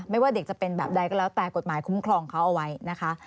ว่าเด็กจะเป็นแบบใดก็แล้วแต่กฎหมายคุ้มครองเขาเอาไว้นะคะ